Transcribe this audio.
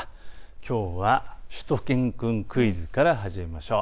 きょうはしゅと犬くんクイズから始めましょう。